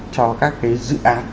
cho các cái dự án